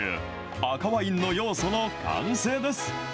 赤ワインの要素の完成です。